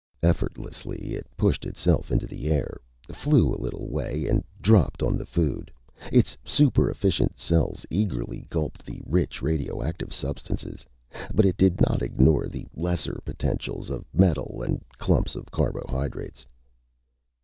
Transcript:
Effortlessly it pushed itself into the air, flew a little way and dropped on the food. Its super efficient cells eagerly gulped the rich radioactive substances. But it did not ignore the lesser potentials of metal and clumps of carbohydrates.